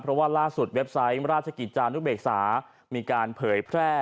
เพราะว่าล่าสุดเว็บไซต์ราชกิจจานุเบกษามีการเผยแพร่